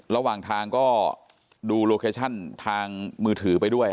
ระหว่างทางก็ดูโลเคชั่นทางมือถือไปด้วย